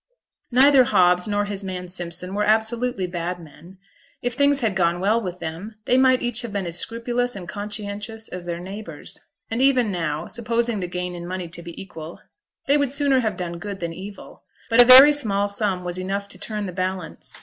Neither Hobbs nor his man Simpson were absolutely bad men; if things had gone well with them they might each have been as scrupulous and conscientious as their neighbours, and even now, supposing the gain in money to be equal, they would sooner have done good than evil; but a very small sum was enough to turn the balance.